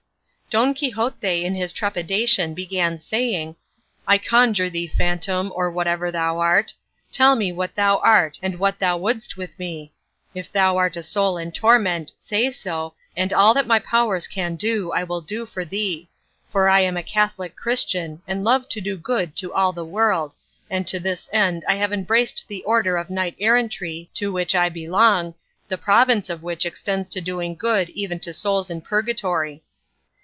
Don Quixote in his trepidation began saying, "I conjure thee, phantom, or whatever thou art, tell me what thou art and what thou wouldst with me. If thou art a soul in torment, say so, and all that my powers can do I will do for thee; for I am a Catholic Christian and love to do good to all the world, and to this end I have embraced the order of knight errantry to which I belong, the province of which extends to doing good even to souls in purgatory."